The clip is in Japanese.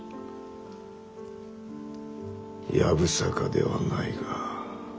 やぶさかではないが。